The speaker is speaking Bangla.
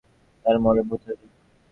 তারা মরে ভুত হয়ে যাক!